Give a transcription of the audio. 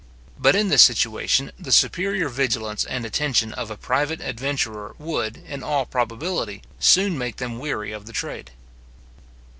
But in this situation, the superior vigilance and attention of a private adventurer would, in all probability, soon make them weary of the trade.